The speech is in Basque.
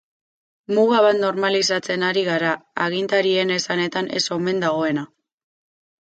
Muga bat normalizatzen ari gara, agintarien esanetan ez omen dagoena.